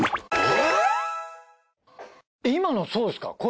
今のそうですか？